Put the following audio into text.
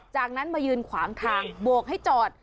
จากนั้นมายืนขวางทางโบกให้จอด